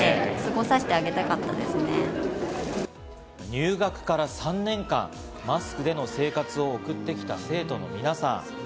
入学から３年間、マスクでの生活を送ってきた生徒の皆さん。